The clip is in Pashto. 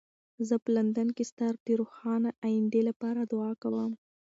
زه په لندن کې ستا د روښانه ایندې لپاره دعا کوم.